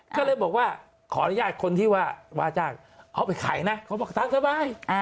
ก็เลยบอกว่าขออนุญาตคนที่ว่าว่าจ้างเอาไปขายนะเขาบอกตังค์สบาย